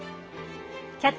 「キャッチ！